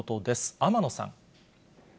天野さん。